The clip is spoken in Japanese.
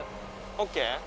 ＯＫ？